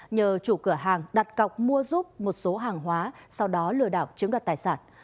nhờ chủ cửa hàng đặt cọc mua giúp một số hàng hóa sau đó lừa đảo chiếm đoạt tài sản